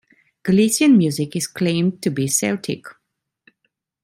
Galician music is claimed to be "Celtic".